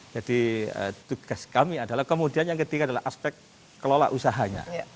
jadi tugas kami adalah kemudian yang ketiga adalah aspek kelola usahanya